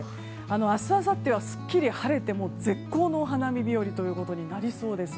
明日、あさってはすっきり晴れて絶好のお花見日和となりそうです。